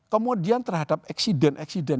kemudian terhadap eksiden eksiden